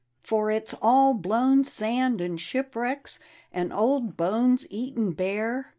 For it's all blown sand and shipwrecks And old bones eaten bare.